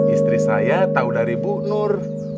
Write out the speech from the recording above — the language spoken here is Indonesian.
istri saya tahu dari bu nur